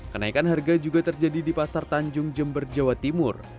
kenaikan harga juga terjadi di pasar tanjung jember jawa timur